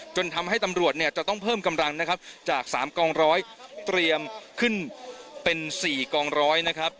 จนทำให้ตำรวจเนี่ยจะต้องเพิ่มกำลังนะครับจาก๓กองร้อยเตรียมขึ้นเป็น๔กองร้อยนะครับ